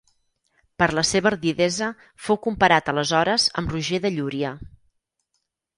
Per la seva ardidesa fou comparat aleshores amb Roger de Llúria.